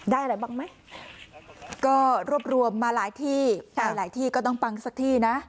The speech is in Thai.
อะไรบ้างไหมก็รวบรวมมาหลายที่ไปหลายที่ก็ต้องปังสักที่นะ